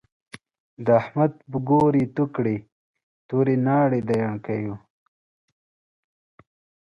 د احمد په ګور يې تو کړی، توری ناړی د يڼکيو